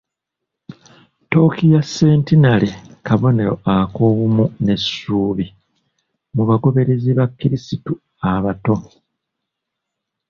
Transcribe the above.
Tooki ya centenary kabonero ak'obumu n'essuubi mu bagoberezi ba Krisitu abato.